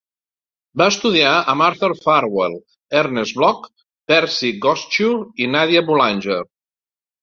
Va estudiar amb Arthur Farwell, Ernest Bloch, Percy Goetschius i Nadia Boulanger.